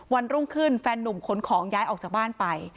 วันรุ่งขึ้นแฟนนุ่มขนของย้ายออกจากบ้านไป